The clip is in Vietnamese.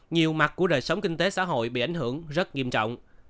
nhiều mặt của đời sống kinh tế xã hội bị ảnh hưởng rất nghiêm trọng